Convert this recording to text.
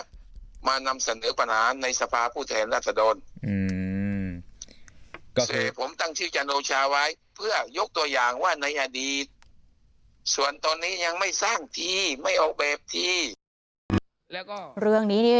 นำเสนอปัญหานในสภาคุณแห่งรัฐโดรน